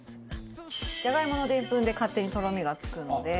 「じゃがいものでんぷんで勝手にとろみがつくので」